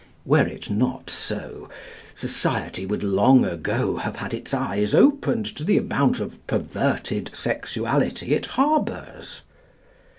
Were it not so, society would long ago have had its eyes opened to the amount of perverted sexuality it harbours.